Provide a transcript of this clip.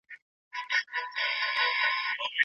پوهه هیڅکله نه بشپړیږي.